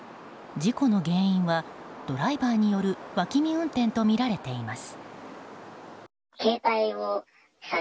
事故の原因はドライバーによる脇見運転とみられています。